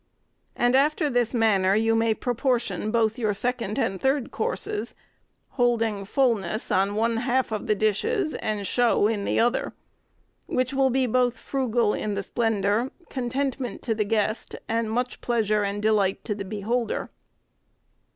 And after this manner you may proportion both your second and third courses, holding fulness on one half of the dishes, and show in the other; which will be both frugal in the splendour, contentment to the guest, and much pleasure and delight to the beholder."